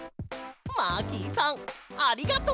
マーキーさんありがとう！